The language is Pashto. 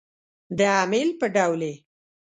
د امیل په ډول يې